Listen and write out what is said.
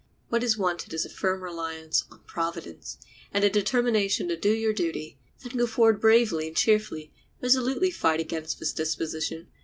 What is wanted is a firm reliance on Providence, and a determination to do your duty; then go forward bravely and cheerfully, resolutely fight against this disposition.